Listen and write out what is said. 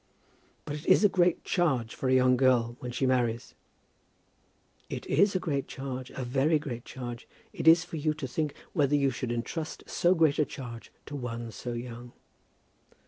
"But it is a great charge for a young girl when she marries." "It is a great charge; a very great charge. It is for you to think whether you should entrust so great a charge to one so young."